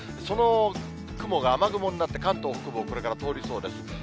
その雲が雨雲になって、関東北部をこれから通りそうです。